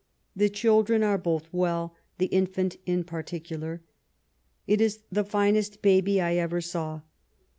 The children are both well, the infant in particular. It is the finest baby I ever saw.